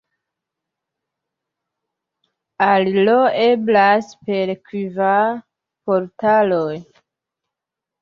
Aliro eblas per kvar portaloj.